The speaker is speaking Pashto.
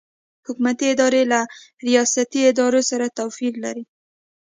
حکومتي ادارې له ریاستي ادارو سره توپیر لري.